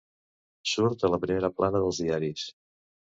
Surt a la primera plana dels diaris.